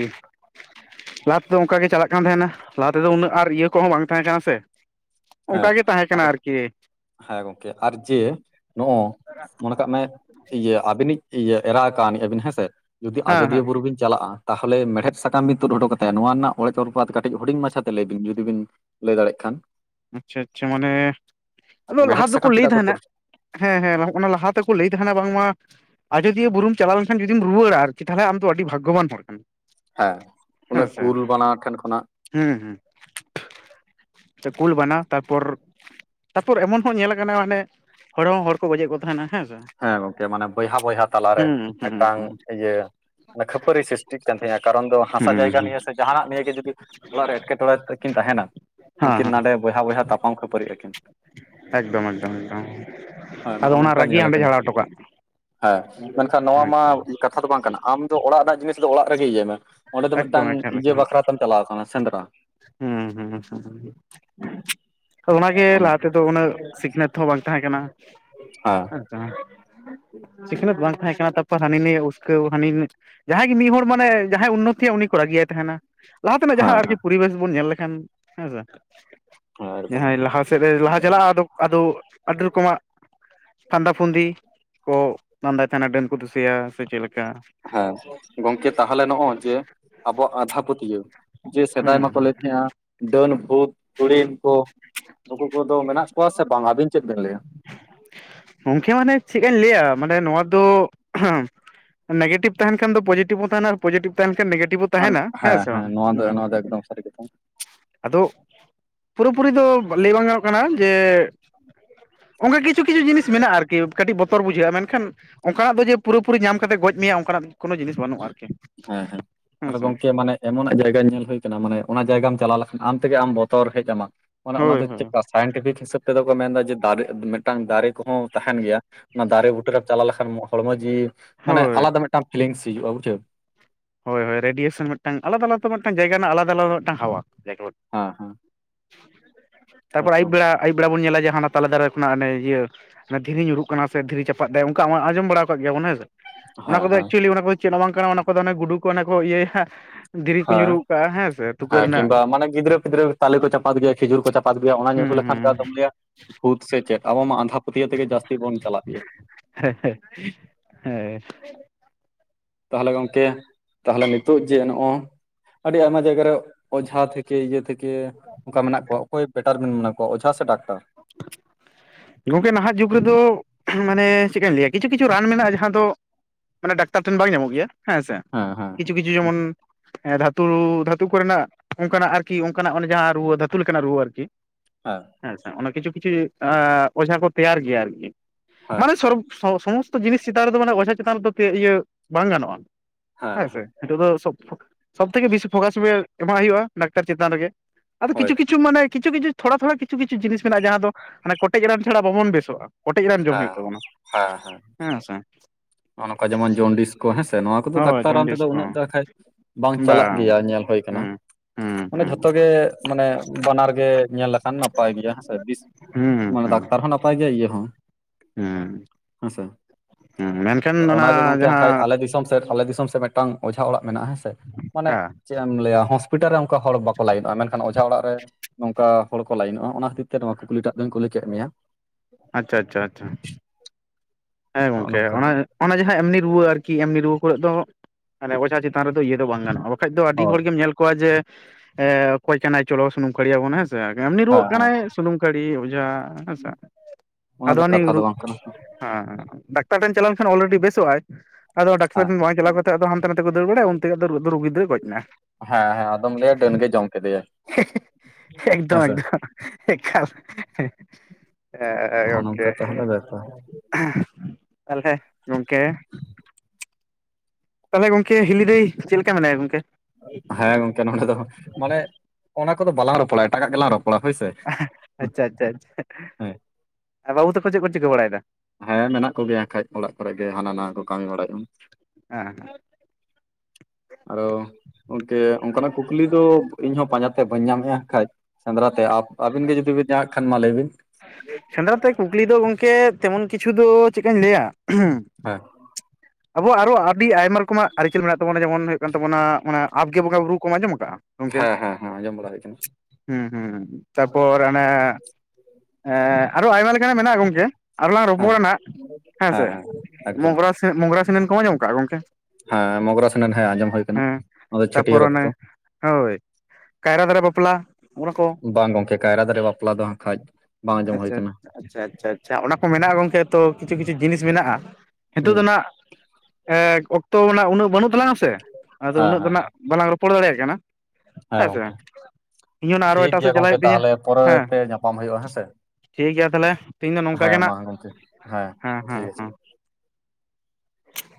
[SPEAKER 2] ᱞᱟᱦᱟ ᱛᱮᱫᱚ ᱩᱝᱠᱟ ᱜᱤ ᱪᱟᱞᱟᱜ ᱠᱟᱱ ᱛᱟᱦᱮᱱᱟ ᱞᱟᱦᱟ ᱛᱮᱫᱚ ᱩᱱᱟᱹᱜ ᱟᱨ ᱤᱭᱟᱹ ᱠᱚᱦᱚᱸ ᱵᱟᱝ ᱛᱟᱦᱮᱸ ᱠᱟᱱᱟ ᱥᱮ᱾ ᱩᱝᱠᱟ
[SPEAKER 1] ᱦᱮᱸ
[SPEAKER 2] ᱜᱮ ᱛᱟᱦᱮᱸ
[SPEAKER 1] ᱟᱨ
[SPEAKER 2] ᱠᱟᱱᱟ ᱟᱨᱠᱤ ᱾
[SPEAKER 1] ᱦᱮᱸ ᱜᱚᱝᱠᱮ ᱟᱨ ᱡᱮ ᱱᱚᱜᱼᱚ ᱢᱚᱱᱮ ᱠᱟᱜ ᱢᱮ ᱤᱭᱟᱹ ᱟᱵᱤᱱᱤᱡ ᱤᱭᱟᱹ ᱮᱨᱟ ᱟᱠᱟᱱᱤᱡ ᱟᱵᱤᱱ ᱦᱮᱸᱥᱮ ᱡᱩᱫᱤ
[SPEAKER 2] ᱦᱮᱸ
[SPEAKER 1] ᱟᱡᱚᱫᱤᱭᱟᱹ
[SPEAKER 2] ᱦᱮᱸ
[SPEAKER 1] ᱵᱩᱨᱩ ᱵᱤᱱ ᱪᱟᱞᱟᱜᱼᱟ᱾ ᱛᱟᱦᱚᱞᱮ ᱢᱮᱲᱦᱮᱫ ᱥᱟᱠᱟᱢ ᱵᱤᱱ ᱛᱩᱫ ᱦᱚᱴᱚ ᱠᱟᱛᱟᱭᱟ ᱱᱚᱣᱟ ᱨᱮᱱᱟᱜ ᱚᱲᱮᱡ ᱪᱚᱨᱯᱟᱛ ᱠᱟᱹᱴᱤᱡ ᱦᱩᱰᱤᱧ ᱢᱟᱪᱷᱟᱛᱮ ᱞᱟᱹᱭ ᱵᱤᱱ ᱡᱩᱫᱤ ᱵᱤᱱᱼᱼ ᱞᱮᱹ ᱫᱟᱲᱮᱜ ᱠᱷᱟᱱ᱾
[SPEAKER 2] ᱟᱪᱪᱷᱟ ᱟᱪᱪᱷᱟ ᱢᱟᱱᱮ ᱟᱫᱚ ᱞᱟᱦᱟ
[SPEAKER 1] ᱢᱮᱲᱦᱮᱫ
[SPEAKER 2] ᱫᱚᱠᱚ
[SPEAKER 1] ᱥᱟᱠᱟᱢ
[SPEAKER 2] ᱞᱮᱹᱭ
[SPEAKER 1] ᱪᱮᱫᱟᱜ ᱠᱚ ᱛᱩᱫ
[SPEAKER 2] ᱛᱟᱦᱮᱱᱟ᱾ ᱦᱮᱸ ᱦᱮᱸ ᱚᱱᱟ ᱞᱟᱦᱟ ᱛᱮᱠᱚ ᱞᱮᱹᱭ ᱛᱟᱦᱮᱱᱟ ᱵᱟᱝᱢᱟᱼᱼ ᱟᱡᱚᱫᱤᱭᱟᱹ ᱵᱩᱨᱩᱢ ᱪᱟᱞᱟᱣ ᱞᱮᱱ ᱠᱷᱟᱱ ᱡᱩᱫᱤᱢ ᱨᱩᱣᱟᱹᱲᱟ ᱟᱨᱠᱤ ᱛᱟᱦᱞᱮ ᱟᱢ ᱫᱚ ᱟᱹᱰᱤ ᱵᱷᱟᱜᱽᱜᱚᱵᱟᱱᱟ ᱠᱟᱱᱟᱢ᱾
[SPEAKER 1] ᱦᱮᱸ ᱩᱱᱟᱹᱜ
[SPEAKER 2] ᱦᱮᱸ ᱥᱮ
[SPEAKER 1] ᱠᱩᱞ ᱵᱟᱱᱟ ᱴᱷᱮᱱ ᱠᱷᱚᱱᱟᱜ
[SPEAKER 2] ᱦᱩᱸ ᱦᱩᱸ ᱠᱩᱞ ᱵᱟᱱᱟ ᱛᱟᱨᱯᱚᱨ ᱛᱟᱯᱚᱨ ᱮᱢᱚᱱ ᱦᱚᱸ ᱧᱮᱞ ᱟᱠᱟᱱᱟ ᱢᱟᱱᱮ ᱦᱚᱲ ᱦᱚᱸ ᱦᱚᱲ ᱠᱚ ᱜᱚᱡᱮᱜ ᱠᱚ ᱛᱟᱦᱮᱱᱟ᱾
[SPEAKER 1] ᱦᱮᱸ ᱜᱚᱝᱠᱮ ᱢᱟᱱᱮ ᱵᱚᱭᱦᱟ ᱵᱚᱭᱦᱟ ᱛᱟᱞᱟᱨᱮ
[SPEAKER 2] ᱦᱩᱸ ᱦᱩᱸ ᱦᱩᱸ
[SPEAKER 1] ᱢᱤᱫᱴᱟᱝ
[SPEAKER 2] ᱦᱩᱸ
[SPEAKER 1] ᱤᱭᱟᱹ ᱠᱷᱟᱹᱯᱟᱹᱨᱤ ᱥᱨᱤᱥᱴᱤᱜ ᱠᱟᱱ ᱛᱟᱦᱮᱡᱼᱟ ᱠᱟᱨᱚᱱ ᱫᱚ ᱦᱟᱥᱟ ᱡᱟᱭᱜᱟ ᱱᱤᱭᱮ
[SPEAKER 2] ᱦᱮᱸ
[SPEAKER 1] ᱥᱮ ᱡᱟᱦᱟᱱᱟᱜ ᱱᱤᱭᱮ ᱡᱩᱫᱤ ᱚᱲᱟᱜ ᱨᱮ ᱮᱴᱠᱮᱴᱚᱬᱮ ᱛᱮ ᱠᱤᱱ ᱛᱟᱦᱮᱱᱟ ᱩᱱᱠᱤᱱ
[SPEAKER 2] ᱦᱮᱸ
[SPEAKER 1] ᱱᱟᱸᱰᱮ ᱵᱚᱭᱦᱟ ᱵᱚᱭᱦᱟ ᱛᱟᱯᱟᱢ ᱠᱷᱟᱹᱯᱟᱹᱨᱤᱜ ᱟᱹᱠᱤᱱ᱾
[SPEAKER 2] ᱮᱠᱫᱚᱢ ᱮᱠᱫᱚᱢ ᱮᱠᱫᱚᱢ
[SPEAKER 1] ᱦᱮᱸ
[SPEAKER 2] ᱟᱫᱚ
[SPEAKER 1] ᱱᱚᱜᱼᱚ
[SPEAKER 2] ᱚᱱᱟ ᱨᱟᱹᱜᱤᱭᱟᱢᱼᱼ
[SPEAKER 1] [inaudible] ᱦᱮᱸ ᱢᱮᱱᱠᱷᱟᱱ ᱱᱚᱣᱟ ᱢᱟ
[SPEAKER 2] ᱮᱠᱫᱚᱢ
[SPEAKER 1] ᱠᱟᱛᱷᱟ ᱫᱚ ᱵᱟᱝ ᱠᱟᱱᱟ ᱟᱢ ᱫᱚ ᱚᱲᱟᱜ ᱨᱮᱱᱟᱜ ᱡᱤᱱᱤᱥ ᱫᱚ ᱚᱲᱟᱜ ᱨᱮᱜᱮ ᱤᱭᱟᱹᱭ ᱢᱮ᱾ ᱚᱸᱰᱮ ᱫᱚ
[SPEAKER 2] ᱮᱠᱫᱚᱢ [unintelligible]
[SPEAKER 1] ᱢᱤᱫᱴᱟᱝ ᱤᱭᱟᱹ
[SPEAKER 2] ᱦᱩᱸ
[SPEAKER 1] ᱵᱟᱠᱷᱨᱟ ᱛᱮᱢ ᱪᱟᱞᱟᱣ ᱟᱠᱟᱱᱟ ᱥᱮᱸᱫᱽᱨᱟ
[SPEAKER 2] ᱦᱩᱦᱩ ᱦᱩᱦᱩ ᱦᱩ ᱟᱫᱚ ᱚᱱᱟᱜᱮ
[SPEAKER 1] ᱱᱚᱜᱼᱚ
[SPEAKER 2] ᱞᱟᱦᱟ
[SPEAKER 1] ᱱᱚᱝᱠᱟ
[SPEAKER 2] ᱛᱮᱫᱚ ᱩᱱᱟᱹᱜ ᱥᱤᱠᱷᱱᱟᱹᱛ ᱦᱚᱸ ᱵᱟᱝ ᱛᱟᱦᱮᱸ ᱠᱟᱱᱟ᱾
[SPEAKER 1] ᱦᱮᱸ
[SPEAKER 2] [unintelligible] ᱥᱤᱠᱷᱱᱟᱹᱛ ᱵᱟᱝ ᱛᱟᱦᱮᱸ ᱠᱟᱱᱟ ᱛᱟᱵᱼᱼ ᱯᱟᱨ ᱦᱟᱹᱱᱤ ᱱᱤᱭᱮᱹ ᱩᱥᱠᱟᱹᱣ ᱦᱟᱹᱱᱤ ᱡᱟᱦᱟᱸᱭ ᱜᱮ ᱢᱤᱫ ᱦᱚᱲᱚᱲ ᱢᱟᱱᱮ ᱡᱟᱦᱟᱸᱭ ᱩᱱᱱᱚᱛᱤᱭᱟ ᱩᱱᱤ ᱠᱚ ᱨᱟᱹᱜᱤᱭᱟᱭ ᱛᱟᱦᱮᱱᱟ᱾ ᱞᱟᱦᱟ ᱛᱮᱱᱟᱜ
[SPEAKER 1] ᱦᱮᱸ
[SPEAKER 2] ᱡᱟᱦᱟᱸ ᱟᱨᱠᱤ
[SPEAKER 1] ᱦᱮᱸ
[SPEAKER 2] ᱯᱩᱨᱤᱵᱮᱹᱥ ᱵᱚᱱ ᱧᱮᱞ ᱞᱮᱠᱷᱟᱱ ᱦᱮᱸᱥᱮ
[SPEAKER 1] ᱮᱠᱫᱚᱢ
[SPEAKER 2] ᱡᱟᱦᱟᱸᱭ ᱞᱟᱦᱟᱼᱼ ᱥᱮᱫ ᱨᱮ ᱞᱟᱦᱟ ᱪᱟᱞᱟᱜᱼᱟ ᱟᱫ ᱟᱹᱰᱤ ᱨᱚᱠᱚᱢᱟᱜ᱾ ᱯᱷᱟᱱᱫᱟ ᱯᱷᱩᱱᱫᱤ ᱠᱚ ᱞᱟᱸᱫᱟᱭ ᱛᱟᱦᱮᱱᱟ ᱰᱟᱹᱱ ᱠᱚ ᱫᱩᱥᱮᱹᱭᱟ ᱥᱮ ᱪᱮᱜ ᱞᱮᱠᱟ,
[SPEAKER 1] ᱦᱮᱸ ᱜᱚᱝᱠᱮ ᱛᱟᱦᱚᱞᱮ ᱱᱚᱜᱼᱚ ᱡᱮ ᱟᱵᱚᱣᱟᱜ ᱟᱫᱷᱟ ᱯᱟᱹᱛᱭᱟᱹᱣ, ᱡᱮ ᱥᱮᱫᱟᱭ ᱢᱟᱠᱚ
[SPEAKER 2] ᱦᱩᱸ
[SPEAKER 1] ᱞᱟᱹᱭ ᱛᱮᱸᱦᱮᱜᱼᱟ ᱰᱟᱹᱱ, ᱵᱷᱩᱛ, ᱪᱩᱲᱤᱱ ᱠᱚ ᱱᱩᱠᱩ ᱠᱚᱫᱚ ᱢᱮᱱᱟᱜ ᱠᱚᱣᱟ ᱥᱮ ᱵᱟᱝᱟ ᱟᱹᱵᱤᱱ ᱪᱮᱫ ᱵᱤᱱ ᱞᱟᱹᱭᱟ?
[SPEAKER 2] ᱜᱚᱝᱠᱮ ᱢᱟᱱᱮ ᱪᱮᱜ ᱠᱟᱧ ᱞᱮᱹᱭᱟ ᱢᱟᱱᱮ ᱱᱚᱣᱟ ᱫᱚᱼᱼ ᱱᱮᱹᱜᱮᱹᱴᱤᱵᱷ ᱛᱟᱦᱮᱱ ᱠᱷᱟᱱ ᱫᱚ ᱯᱚᱡᱮᱹᱴᱤᱵᱷ ᱦᱚᱸ ᱛᱟᱦᱮᱱᱟ ᱟᱨ ᱯᱚᱡᱮᱹᱴᱤᱵᱷ ᱛᱟᱦᱮᱱ ᱠᱷᱟᱱ ᱱᱮᱹᱜᱮᱹᱴ ᱛᱟᱦᱮᱱᱟ ᱦᱮᱸ ᱥᱮ ᱵᱟᱝ
[SPEAKER 1] ᱱᱚᱣᱟ ᱫᱚ ᱱᱚᱣᱟ ᱫᱚ ᱮᱠᱫᱚᱢ ᱥᱟᱹᱨᱤ ᱠᱟᱛᱷᱟ
[SPEAKER 2] ᱟᱫᱚᱼᱼ ᱯᱩᱨᱟᱹᱯᱩᱨᱤ ᱫᱚ ᱞᱟᱹᱭ ᱵᱟᱝ ᱜᱟᱱᱚᱜ ᱠᱟᱱᱟ ᱡᱮᱼᱼ
[SPEAKER 1] [unintelligible]
[SPEAKER 2] ᱚᱱᱠᱟ ᱠᱤᱪᱷᱩ ᱠᱤᱪᱷᱩ ᱡᱤᱱᱤᱥ ᱢᱮᱱᱟᱜ-ᱟ, ᱟᱨᱠᱤ ᱠᱟᱹᱴᱤᱡ ᱵᱚᱛᱚᱨ ᱵᱩᱡᱷᱟᱹᱜ-ᱟ, ᱢᱮᱱᱠᱷᱟᱱᱼᱼ ᱚᱱᱠᱟᱱᱟᱜ ᱫᱚ ᱡᱮ ᱯᱩᱨᱟᱹᱯᱩᱨᱤ ᱧᱟᱢ ᱠᱟᱛᱮᱫ ᱜᱚᱡ ᱢᱮᱭᱟ ᱡᱮ ᱚᱱᱠᱟᱱᱟᱜ ᱠᱳᱱᱳ ᱡᱤᱱᱤᱥ ᱵᱟᱹᱱᱩᱜ-ᱟ᱾ ᱟᱨᱠᱤ᱾
[SPEAKER 1] ᱦᱮᱸ ᱦᱮᱸ
[SPEAKER 2] ᱦᱮᱸ
[SPEAKER 1] ᱟᱫᱚ
[SPEAKER 2] ᱥᱮ
[SPEAKER 1] ᱜᱚᱝᱠᱮ ᱢᱟᱱᱮ, ᱮᱢᱚᱱᱱᱟᱜ ᱡᱟᱭᱜᱟ ᱧᱮᱞ ᱦᱩᱭ ᱟᱠᱟᱱᱟ ᱢᱟᱱᱮ ᱚᱱᱟ ᱡᱟᱭᱜᱟᱢ ᱪᱟᱞᱟᱣ ᱞᱮᱠᱷᱟᱱ ᱟᱢ ᱛᱮᱜᱮ ᱟᱢ ᱵᱚᱛᱚᱨ ᱦᱮᱡ ᱟᱢᱟ᱾ ᱢᱟᱱᱮ ᱚᱱᱟ
[SPEAKER 2] ᱦᱳᱭ
[SPEAKER 1] ᱫᱚ
[SPEAKER 2] ᱦᱳᱭ
[SPEAKER 1] ᱪᱮᱫᱠᱟ ᱥᱟᱭᱮᱱᱴᱤᱯᱷᱤᱠ ᱦᱤᱥᱟᱹᱵ ᱛᱮᱫᱚ ᱠᱚ ᱢᱮᱱᱫᱟ ᱡᱮ ᱫᱟᱨᱮ ᱢᱤᱫᱴᱟᱝ ᱫᱟᱨᱮ ᱠᱚᱦᱚᱸ ᱛᱟᱸᱦᱮᱱ ᱜᱮᱭᱟ᱾ ᱚᱱᱟ ᱫᱟᱨᱮ ᱵᱩᱴᱟᱹᱨᱮ ᱨᱮ ᱪᱟᱞᱟᱣ ᱞᱮᱠᱷᱟᱱ ᱦᱚᱲᱢᱚ ᱡᱤᱣᱤ ᱢᱟᱱᱮ
[SPEAKER 2] ᱦᱳᱭ
[SPEAKER 1] ᱟᱞᱟᱫᱟ ᱢᱤᱫᱴᱟᱝ ᱯᱷᱤᱞᱤᱝᱥ ᱦᱤᱡᱩᱜ-ᱟ, ᱵᱩᱡᱷᱟᱹᱣ,
[SPEAKER 2] ᱦᱳᱭ ᱦᱳᱭ ᱨᱮᱰᱤᱭᱮᱥᱚᱱ ᱢᱤᱫᱴᱟᱝ ᱟᱞᱟᱫᱟ ᱟᱞᱟᱫᱟ ᱢᱤᱫᱴᱟᱝ ᱡᱟᱭᱜᱟ ᱨᱮᱱᱟᱜ ᱟᱞᱟᱫᱟ ᱟᱞᱟᱫᱟ ᱢᱤᱫᱴᱟᱝ ᱦᱟᱣᱟ ᱡᱟᱭᱜᱟ᱾
[SPEAKER 1] ᱦᱟᱸ ᱦᱟᱸ ᱾
[SPEAKER 2] ᱛᱟᱯᱚᱨ ᱟᱹᱭᱩᱵ ᱵᱮᱲᱟ ᱟᱹᱭᱩᱵ ᱵᱮᱲᱟ ᱵᱚᱱ ᱧᱮᱞᱟ ᱦᱟᱱᱟ ᱛᱟᱞᱮ ᱫᱟᱨᱮ ᱠᱷᱚᱱᱟᱜ ᱚᱱᱮ ᱤᱭᱟᱹᱼᱼ ᱫᱷᱤᱨᱤ ᱧᱩᱨᱩᱜ ᱠᱟᱱᱟ ᱥᱮ ᱫᱷᱤᱨᱤ ᱪᱟᱯᱟᱫ ᱮᱫᱟᱭ ᱚᱱᱠᱟ ᱟᱸᱡᱚᱢ ᱵᱟᱲᱟ ᱟᱠᱟᱫ ᱜᱮᱭᱟ ᱵᱚᱱ ᱦᱮᱸᱥᱮ‍? ᱚᱱᱟ
[SPEAKER 1] ᱦᱮᱸ
[SPEAKER 2] ᱠᱚᱫᱚ
[SPEAKER 1] ᱦᱮᱸ
[SPEAKER 2] ᱮᱠᱪᱩᱭᱮᱞᱤ ᱚᱱᱟ ᱠᱚᱫᱚ ᱪᱮᱫ ᱦᱚ ᱵᱟᱝ ᱠᱟᱱᱟ ᱚᱱᱟ ᱠᱚᱫᱚ ᱚᱱᱮ ᱜᱩᱰᱩ ᱠᱚ ᱚᱱᱮ ᱠᱚ ᱤᱭᱟᱹᱭᱟ ᱫᱷᱤᱨᱤ ᱠᱚ
[SPEAKER 1] ᱦᱮᱸ
[SPEAKER 2] ᱧᱩᱨᱩᱜ ᱠᱟᱜᱼᱟ ᱦᱮᱸ ᱥᱮ ᱛᱩᱠᱟᱹ
[SPEAKER 1] ᱦᱮᱸ
[SPEAKER 2] ᱨᱮᱱᱟᱜ
[SPEAKER 1] ᱠᱤᱝᱵᱟ ᱢᱟᱱᱮ ᱜᱤᱫᱽᱨᱟᱹ ᱯᱤᱫᱽᱨᱟᱹ ᱛᱟᱞᱮ ᱠᱚ ᱪᱟᱯᱟᱫ ᱜᱮᱭᱟ ᱠᱷᱤᱡᱩᱨ ᱠᱚ ᱪᱟᱯ ᱪᱟᱯᱟᱫ ᱜᱮᱭᱟ ᱚᱱᱟ
[SPEAKER 2] ᱦᱩᱸ
[SPEAKER 1] ᱧᱩᱨᱩ ᱞᱮᱠᱷᱟᱱ
[SPEAKER 2] ᱦᱩᱸ
[SPEAKER 1] ᱟᱫᱚᱢ ᱞᱟᱹᱭᱟ ᱵᱷᱩᱛ ᱥᱮ ᱪᱮᱫ ᱟᱵᱚ ᱢᱟ ᱟᱫᱷᱟ ᱯᱟ. ᱛᱭᱟᱹᱣ ᱛᱮᱜᱮ ᱡᱟᱹᱥᱛᱤ ᱵᱚᱱ ᱪᱟᱞᱟᱜ ᱜᱮᱭᱟ᱾
[SPEAKER 2] ᱦᱮᱸ ᱦᱮᱸ ᱦᱮᱸ᱾
[SPEAKER 1] ᱛᱟᱦᱚᱞᱮ ᱜᱚᱝᱠᱮ ᱛᱟᱦᱚᱞᱮ ᱱᱤᱛᱚᱜ ᱡᱮ ᱱᱚᱜ-ᱚᱭ ᱟᱹᱰᱤ ᱟᱭᱢᱟ ᱡᱟᱭᱜᱟ ᱨᱮᱼᱼ ᱚᱡᱷᱟ ᱛᱷᱮᱠᱮ ᱤᱭᱟᱹ ᱛᱷᱮᱠᱮ ᱚᱱᱠᱟ ᱢᱮᱱᱟᱜ ᱠᱚᱣᱟ ᱚᱠᱚᱭ ᱵᱮᱴᱟᱨ ᱵᱮᱱ ᱢᱚᱱᱮ ᱠᱚᱣᱟ ᱚᱡᱷᱟ ᱥᱮ ᱰᱟᱠᱛᱟᱨ? [inaudible]
[SPEAKER 2] ᱜᱚᱢᱠᱮ ᱱᱟᱦᱟᱜ ᱡᱩᱜᱽ ᱨᱮᱫᱚ ᱢᱟᱱᱮ ᱪᱮᱫ ᱠᱟᱹᱧ ᱞᱟᱹᱭᱟ ᱠᱤᱪᱷᱩ ᱠᱤᱪᱷᱩ ᱨᱟᱱ ᱢᱮᱱᱟᱜ-ᱟ, ᱡᱟᱸᱦᱟ ᱫᱚ ᱢᱟᱱᱮ ᱰᱟᱠᱛᱟᱨ ᱴᱷᱮᱱ ᱵᱟᱝ ᱧᱟᱢᱚᱜ ᱜᱮᱭᱟ ᱦᱮᱸ ᱥᱮ
[SPEAKER 1] ᱦᱮᱸ
[SPEAKER 2] ᱠᱤᱪᱷᱩ ᱠᱤᱪᱷᱩ
[SPEAKER 1] ᱦᱮᱸ
[SPEAKER 2] ᱡᱮᱢᱚᱱᱼᱼ ᱦᱮᱸ ᱫᱷᱟᱹᱛᱩ ᱫᱷᱟᱹᱛᱩ ᱠᱚ ᱨᱮᱱᱟᱜ ᱚᱱᱠᱟᱱᱟᱜ ᱟᱨᱠᱤ ᱚᱱᱠᱟᱱᱟᱜ ᱚᱱᱮ ᱡᱟᱸᱦᱟ ᱨᱩᱣᱟᱹ ᱫᱷᱟᱹᱛᱩ ᱞᱮᱠᱟᱱᱟᱜ ᱨᱩᱣᱟᱹ ᱟᱨᱠᱤ᱾
[SPEAKER 1] ᱦᱮᱸ᱾
[SPEAKER 2] ᱦᱮᱸᱥᱮ ᱚᱱᱟ ᱠᱤᱪᱷᱩ ᱠᱤᱪᱷᱩ ᱚᱡᱷᱟ ᱠᱚ ᱛᱮᱭᱟᱨ ᱜᱮᱭᱟ ᱟᱨᱠᱤ,
[SPEAKER 1] ᱦᱮᱸ
[SPEAKER 2] ᱢᱟᱱᱮ ᱥᱚᱨᱼᱼ ᱥᱚᱢᱚᱥᱛᱚ ᱡᱤᱱᱤᱥ ᱪᱮᱛᱟᱱ ᱨᱮᱫᱚ ᱢᱟᱱᱮ ᱚᱡᱷᱟ ᱪᱮᱛᱟᱱ ᱨᱮᱫᱚ ᱤᱭᱟᱹ ᱵᱟᱝ ᱜᱟᱱᱚᱜ-ᱟ, ᱦᱮᱸ ᱥᱮ᱾ ᱱᱤᱛᱚᱜ ᱫᱚ ᱥᱚᱵ ᱥᱚᱰ ᱛᱷᱮᱠᱮ ᱵᱮᱥᱤ ᱯᱷᱳᱠᱟᱥ ᱮᱢ ᱮᱢᱟᱜ ᱦᱩᱭᱩᱜ-ᱟ ᱰᱟᱠᱛᱟᱨ ᱪᱮᱛᱟᱱ ᱨᱮᱜᱮ᱾ ᱟᱫᱚ
[SPEAKER 1] ᱦᱳᱭ
[SPEAKER 2] ᱠᱤᱪᱷᱩ ᱠᱤᱪᱷᱩ ᱢᱟᱱᱮ ᱠᱤᱪᱷᱩ ᱠᱤᱪᱷᱩ ᱛᱷᱚᱲᱟ ᱛᱷᱚᱲᱟ ᱠᱤᱪᱷᱩᱼ ᱠᱤᱪᱷᱩ ᱡᱤᱱᱤᱥ ᱢᱮᱱᱟᱜ-ᱟ ᱡᱟᱸᱦᱟ ᱫᱚ ᱢᱟᱱᱮ ᱠᱚᱴᱮᱡ ᱨᱟᱱ ᱪᱷᱟᱲᱟ ᱵᱟᱵᱚᱱ ᱵᱮᱥᱚᱜ-ᱟ᱾ ᱠᱚᱴᱮᱡ ᱨᱟᱱ ᱡᱚᱢ ᱦᱩᱭᱩᱜ
[SPEAKER 1] ᱦᱮᱸ
[SPEAKER 2] ᱛᱟᱵᱚᱱᱟ ᱦᱮᱸ ᱥᱮ᱾
[SPEAKER 1] ᱦᱚᱜ-ᱚ ᱱᱚᱝᱠᱟ ᱡᱮᱢᱚᱱ ᱡᱚᱱᱰᱤᱥ᱾ ᱠᱚ ᱦᱮᱸᱥᱮ ᱱᱚᱶᱟ ᱠᱚᱫᱚ
[SPEAKER 2] ᱦᱳᱭ
[SPEAKER 1] ᱰᱟᱠᱛᱟᱨ ᱨᱟᱱ
[SPEAKER 2] ᱡᱚᱱᱰᱤᱥ
[SPEAKER 1] ᱛᱮᱫᱚ
[SPEAKER 2] ᱠᱚ
[SPEAKER 1] ᱩᱱᱟᱹᱜ ᱫᱚ ᱠᱷᱟᱡ ᱵᱟᱝ ᱪᱟᱞᱟᱜ ᱜᱮᱭᱟ ᱧᱮᱞ ᱦᱳᱭ ᱠᱟᱱᱟ᱾
[SPEAKER 2] ᱦᱩᱸ ᱦᱩᱸ
[SPEAKER 1] ᱢᱟᱱᱮ
[SPEAKER 2] ᱦᱩᱸ
[SPEAKER 1] ᱡᱷᱚᱛᱚ ᱜᱮ ᱢᱟᱱᱮ ᱵᱟᱱᱟᱨ ᱜᱮ ᱧᱮᱞ ᱞᱮᱠᱷᱟᱱ ᱱᱟᱯᱟᱭ ᱜᱮᱭᱟ ᱦᱮᱸᱥᱮ ᱵᱤᱥᱼᱼ
[SPEAKER 2] ᱦᱩᱸ ᱦᱩᱸ ᱾
[SPEAKER 1] ᱯᱟᱭ ᱤᱭᱟᱹ ᱦᱚᱸ᱾
[SPEAKER 2] ᱦᱩᱸ᱾
[SPEAKER 1] ᱦᱮᱸ ᱥᱮ᱾
[SPEAKER 2] ᱦᱮᱸ ᱢᱮᱱᱼᱼ
[SPEAKER 1] ᱛᱚ ᱚᱱᱟ ᱜᱮ ᱜᱚᱝᱠᱮ ᱦᱟᱠᱷᱟᱡ ᱟᱞᱮ ᱫᱤᱥᱚᱢᱼᱼ ᱟᱞᱮ ᱫᱤᱥᱚᱢ ᱥᱮᱫ ᱢᱤᱫᱴᱟᱝ ᱚᱡᱷᱟ ᱚᱲᱟᱜ ᱢᱮᱱᱟᱜ-ᱟ, ᱦᱮᱸᱥᱮ ᱢᱟᱱᱮ
[SPEAKER 2] ᱦᱮᱸ
[SPEAKER 1] ᱪᱮᱫ ᱮᱢ ᱞᱟᱹᱭᱟ ᱦᱚᱥᱯᱤᱴᱟᱞ ᱨᱮᱼᱼ ᱚᱱᱠᱟ ᱦᱚᱲ ᱵᱟᱠᱚ ᱞᱟᱭᱤᱱᱚᱜ-ᱟ, ᱢᱮᱱᱠᱷᱟᱱ ᱚᱡᱷᱟ ᱚᱲᱟᱜ ᱨᱮᱼᱼ ᱱᱚᱝᱠᱟ ᱦᱚᱲ ᱠᱚ ᱞᱟᱭᱤᱱᱚᱜ-ᱟ, ᱚᱱᱟ ᱠᱷᱟᱹᱛᱤᱨ ᱛᱮ ᱱᱚᱣᱟ ᱠᱩᱠᱞᱤᱴᱟᱜ ᱫᱩᱧ ᱠᱩᱞᱤ ᱠᱮᱫ ᱢᱮᱭᱟ᱾
[SPEAKER 2] ᱟᱪᱪᱷᱟ ᱟᱪᱪᱷᱟ ᱟᱪᱪᱷᱟ᱾ ᱦᱮᱸ
[SPEAKER 1] ᱱᱚᱜᱼᱚ
[SPEAKER 2] ᱜᱚᱝᱠᱮ
[SPEAKER 1] ᱱᱚᱝᱠᱟ
[SPEAKER 2] ᱚᱱᱟ ᱚᱱᱟ ᱡᱟᱸᱦᱟ ᱮᱢᱱᱤ ᱨᱩᱣᱟᱹ ᱟᱨᱠᱤ ᱮᱢᱱᱤ ᱨᱩᱣᱟᱹ ᱠᱚᱨᱮᱫ ᱫᱚᱼᱼ ᱚᱡᱷᱟ ᱪᱮᱛᱟᱱ ᱨᱮᱫᱚ ᱤᱭᱟᱹ ᱫᱚ ᱵᱟᱝ ᱜᱟᱱᱚᱜ-ᱟ᱾ ᱵᱟᱠᱷᱟᱡ ᱫᱚ ᱟᱹᱰᱤ
[SPEAKER 1] ᱦᱳᱭ
[SPEAKER 2] ᱦᱚᱲ ᱜᱮᱢ ᱧᱮᱞ ᱠᱚᱣᱟ ᱡᱮᱼᱼ ᱚᱠᱚᱭ ᱠᱟᱱᱟᱭ ᱪᱚᱞᱚ ᱥᱩᱱᱩᱢ ᱠᱷᱟᱹᱲᱤᱭᱟᱵᱚᱱ ᱦᱮᱸ ᱮᱥ ᱮᱢᱱᱤ ᱨᱩᱣᱟᱹᱜ
[SPEAKER 1] ᱦᱮᱸ ᱦᱮᱸ
[SPEAKER 2] ᱠᱟᱱᱟᱭ ᱥᱩᱱᱩᱢ ᱠᱷᱟᱹᱲᱤ ᱚᱡᱷᱟᱼᱼ ᱦᱮᱸᱥᱮ
[SPEAKER 1] ᱚᱱᱟ ᱫᱚ
[SPEAKER 2] ᱟᱫᱚ ᱩᱱᱤ
[SPEAKER 1] ᱠᱟᱛᱷᱟ ᱫᱚ
[SPEAKER 2] ᱨᱩᱼᱼ
[SPEAKER 1] ᱵᱟᱝ ᱠᱟᱱᱟ
[SPEAKER 2] ᱦᱮᱸ ᱰᱟᱠᱛᱟᱨ ᱴᱷᱮᱱ ᱪᱟᱞᱟᱣ ᱞᱮᱱ ᱠᱷᱟᱱ ᱚᱞᱨᱮᱰᱤ ᱵᱮᱥᱚᱜ-ᱟᱭ, ᱟᱫᱚ ᱰᱟᱠᱛᱟᱨ
[SPEAKER 1] ᱦᱮᱸ
[SPEAKER 2] ᱴᱷᱮᱱ ᱵᱟᱝ ᱪᱟᱞᱟᱣ ᱠᱟᱛᱮ ᱟᱫᱚ ᱦᱟᱱᱛᱮ ᱱᱟᱛᱮ᱾ ᱠᱚ ᱫᱟᱹᱲ ᱵᱟᱲᱟᱭᱟ ᱩᱱᱛᱮ ᱟᱫᱚ ᱨᱩᱜ ᱨᱩᱜᱤ ᱫᱚᱭ ᱜᱚᱡ ᱮᱱᱟ᱾
[SPEAKER 1] ᱦᱮᱸ ᱦᱮᱸ, ᱟᱫᱚᱢ ᱞᱟᱹᱭᱟ ᱰᱟᱹᱱ ᱜᱮ ᱡᱚᱢ ᱠᱮᱫᱮᱭᱟ
[SPEAKER 2] ᱮᱠᱫᱚᱢ
[SPEAKER 1] ᱦᱮᱸᱥᱮ᱾
[SPEAKER 2] ᱮᱠᱫᱚᱢ ᱮᱠᱟᱞ ᱦᱮᱸ
[SPEAKER 1] ᱱᱚᱜᱼᱚ
[SPEAKER 2] ᱜᱚᱝᱠᱮ᱾
[SPEAKER 1] ᱱᱚᱝᱠᱟ ᱛᱟᱦᱚᱞᱮ ᱵᱮᱯᱟᱨ
[SPEAKER 2] ᱛᱟᱞᱦᱮ ᱜᱟᱝᱠᱮᱼᱼ ᱛᱟᱦᱚᱞᱮ ᱜᱚᱝᱠᱮ ᱦᱤᱞᱤᱫᱟᱹᱭ ᱪᱮᱫ ᱞᱮᱠᱟ ᱢᱮᱱᱟᱭᱟ ᱜᱚᱝᱠᱮ?
[SPEAKER 1] ᱦᱮᱸ ᱜᱚᱝᱠᱮ ᱱᱚᱰᱮ ᱫᱚ ᱢᱟᱱᱮ ᱚᱱᱟ ᱠᱚᱫᱚ ᱵᱟᱞᱟᱝ ᱨᱚᱯᱚᱲᱟ ᱮᱴᱟᱜᱟᱜ ᱜᱮᱞᱟᱝ ᱨᱚᱯᱚᱲᱟ ᱦᱳᱭᱥᱮ।
[SPEAKER 2] ᱟᱪᱪᱷᱟ ᱟᱪᱪᱷᱟ ᱟᱪᱪᱷᱟ,
[SPEAKER 1] ᱦᱮᱸ
[SPEAKER 2] ᱟᱨ ᱵᱟᱹᱵᱩ ᱛᱟᱠᱚ ᱪᱮᱫ ᱠᱚ ᱪᱤᱠᱟᱹ ᱵᱟᱲᱟᱭᱮᱫᱟ?
[SPEAKER 1] ᱦᱮᱸ ᱢᱮᱱᱟᱜ ᱠᱚ ᱜᱮᱭᱟ ᱦᱟᱜᱠᱷᱟᱡ ᱚᱲᱟᱜ ᱠᱚᱨᱮ ᱜᱮ ᱦᱟᱱᱟ ᱱᱟᱣᱟ ᱠᱚ ᱠᱟᱹᱢᱤ ᱵᱟᱰᱟᱭᱮᱜᱼᱟ᱾
[SPEAKER 2] ᱦᱮᱸ
[SPEAKER 1] ᱟᱨᱚ ᱜᱚᱝᱠᱮ ᱚᱱᱠᱟᱱᱟᱜ ᱠᱩᱠᱞᱤ ᱫᱚᱼᱼ ᱤᱧ ᱦᱚᱸ ᱯᱟᱸᱡᱟ ᱛᱮ ᱵᱟᱹᱧ ᱧᱟᱢᱮᱜᱼᱟ ᱦᱟᱜ ᱠᱷᱟᱱᱡ ᱥᱮᱸᱫᱽᱨᱟ ᱛᱮ ᱟᱹᱵᱤᱱ ᱜᱮ ᱡᱩᱫᱤ ᱵᱤᱱ ᱧᱟᱢᱮᱫ ᱠᱷᱟᱱ ᱢᱟ ᱞᱟᱹᱭ ᱵᱤᱱ᱾
[SPEAKER 2] ᱥᱮᱸᱫᱽᱨᱟᱛᱮ ᱠᱩᱠᱞᱤ ᱫᱚ ᱜᱚᱝᱠᱮ ᱛᱮᱢᱚᱱ ᱠᱤᱪᱷᱩ ᱫᱚ ᱪᱮᱫ ᱠᱟᱧ ᱞᱟᱹᱭᱟᱼᱼ
[SPEAKER 1] ᱦᱮᱸ᱾
[SPEAKER 2] ᱟᱵᱚᱣᱟᱜ ᱟᱨᱚ ᱟᱹᱰᱤ ᱟᱭᱢᱟ ᱨᱚᱠᱚᱢᱟᱜ ᱟᱵᱭᱟᱜ ᱟᱨ ᱟᱰᱤ ᱨᱠᱢᱟᱝ ᱟᱹᱨᱤᱪᱟᱹᱞᱤ ᱢᱮᱱᱟᱜ ᱛᱟᱵᱚᱱᱟ ᱡᱮᱢᱚᱱ ᱦᱩᱭᱩᱜ ᱠᱟᱱ ᱛᱟᱵᱚᱱᱟ ᱚᱱᱟ ᱟᱯᱜᱮ ᱵᱚᱸᱜᱟ ᱵᱩᱨᱩ ᱠᱚᱢ ᱟᱸᱡᱚᱢ ᱠᱟᱜ-ᱟ ᱜᱚᱝᱠᱮ,
[SPEAKER 1] ᱦᱮᱸ ᱦᱮᱸ ᱦᱮᱸ ᱟᱸᱡᱚᱢ ᱵᱟᱲᱟ ᱦᱩᱭ ᱟᱠᱟᱱᱟ
[SPEAKER 2] ᱦᱩᱸ ᱦᱩᱸ ᱛᱟᱯᱚᱨ? [unintelligible] ᱮᱻ ᱟᱨᱚ ᱟᱭᱢᱟ ᱞᱮᱠᱟᱱᱟᱜ ᱢᱮᱱᱟᱜ-ᱟ ᱜᱚᱝᱠᱮ᱾ ᱟᱨᱞᱟᱝ
[SPEAKER 1] ᱦᱮᱸ
[SPEAKER 2] ᱨᱚᱯᱚᱲᱟᱱᱟᱜ
[SPEAKER 1] ᱦᱮᱸ
[SPEAKER 2] ᱦᱮᱸᱥᱮ,
[SPEAKER 1] ᱦᱮᱸ ᱮᱠᱫᱚᱢ
[SPEAKER 2] ᱢᱚᱜᱽᱨᱟ ᱥᱤ, ᱢᱚᱜᱽᱨᱟ ᱥᱤᱱᱟᱹᱱ ᱠᱚᱢ ᱟᱸᱡᱚᱢ ᱠᱟᱜ-ᱟ ᱜᱚᱝᱠᱮ?
[SPEAKER 1] ᱦᱮᱸ ᱢᱚᱜᱽᱨᱟ ᱥᱮᱱᱮᱱ ᱦᱮᱸ ᱟᱸᱡᱚᱢ ᱦᱩᱭᱠᱟᱱᱟ
[SPEAKER 2] ᱦᱮᱸ
[SPEAKER 1] ᱚᱱᱟᱫᱚ ᱪᱷᱟᱹᱴᱭᱟᱹᱨ
[SPEAKER 2] ᱛᱟᱯᱚᱨ ᱚᱱᱮ
[SPEAKER 1] ᱨᱠᱛᱚ᱾
[SPEAKER 2] ᱦᱳᱭ᱾ ᱠᱟᱭᱨᱟ ᱫᱟᱨᱮ ᱵᱟᱯᱞᱟ ᱚᱱᱟ ᱠᱚ
[SPEAKER 1] ᱵᱟᱝ ᱜᱚᱝᱠᱮ ᱠᱟᱭᱨᱟ ᱫᱟᱨᱮ ᱵᱟᱯᱞᱟ ᱫᱚ ᱦᱟᱸᱜ ᱠᱷᱟᱡ ᱵᱟᱝ ᱟᱸᱡᱚᱢ ᱦᱩᱭ
[SPEAKER 2] ᱟᱪᱪᱷᱟ
[SPEAKER 1] ᱠᱟᱱᱟ᱾
[SPEAKER 2] ᱟᱪᱪᱷᱟ ᱟᱪᱪᱷᱟ ᱟᱪᱪᱷᱟ, ᱚᱱᱟ ᱠᱚ ᱢᱮᱱᱟᱜᱼᱟ ᱜᱚᱝᱠᱮ ᱛᱚ ᱠᱤᱪᱷᱩ ᱠᱤᱪᱷᱩ ᱡᱤᱱᱤᱥ ᱢᱮᱱᱟᱜ-ᱟ᱾ ᱱᱤᱛᱳᱜ
[SPEAKER 1] ᱦᱩᱸ
[SPEAKER 2] ᱫᱚ ᱱᱟᱜ ᱚᱠᱛᱚ ᱨᱮᱱᱟᱜ ᱩᱱᱟᱹᱜ ᱵᱟᱹᱱᱩᱜ ᱛᱟᱞᱟᱝᱟ ᱥᱮ, ᱟᱫᱚ
[SPEAKER 1] ᱦᱮᱸ
[SPEAKER 2] ᱩᱱᱟᱹᱜ ᱫᱚ
[SPEAKER 1] ᱦᱮᱸ
[SPEAKER 2] ᱱᱟᱜ ᱵᱟᱞᱟᱝ ᱨᱚᱯᱚᱲ ᱫᱟᱲᱮᱭᱟᱜ ᱠᱟᱱᱟ ᱦᱮᱸ ᱥᱮ᱾ ᱤᱧ ᱦᱚᱸ ᱱᱟ ᱟᱨᱚ
[SPEAKER 1] ᱴᱷᱤᱠ
[SPEAKER 2] ᱮᱴᱟᱜ
[SPEAKER 1] ᱜᱮᱭᱟ
[SPEAKER 2] ᱥᱮᱫ ᱪᱟᱞᱟᱜ
[SPEAKER 1] ᱜᱚᱝᱠᱮ
[SPEAKER 2] ᱦᱩᱭᱩᱜ ᱛᱤᱧᱟᱹ
[SPEAKER 1] ᱛᱟᱦᱚᱞᱮ ᱯᱚᱨᱮ
[SPEAKER 2] ᱦᱮᱸ᱾
[SPEAKER 1] ᱛᱮ ᱧᱟᱯᱟᱢ ᱦᱩᱭᱩᱜᱼᱟ ᱦᱮᱸᱥᱮ
[SPEAKER 2] ᱴᱷᱤᱠ ᱜᱮᱭᱟ ᱛᱟᱦᱞᱮ ᱛᱮᱦᱤᱧ ᱫᱚ ᱱᱚᱝᱠᱟ
[SPEAKER 1] ᱦᱮᱸ
[SPEAKER 2] ᱜᱮ ᱱᱟᱜ
[SPEAKER 1] ᱢᱟ ᱜᱚᱝᱠᱮ
[SPEAKER 2] ᱦᱮᱸ ᱦᱮᱸ
[SPEAKER 1] ᱴᱷᱤᱠ ᱟᱪᱷᱮ
[SPEAKER 2] ᱦᱮᱸ᱾